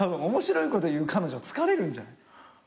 面白いこと言う彼女疲れるんじゃない？